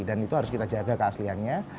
dan itu harus kita jaga keasliannya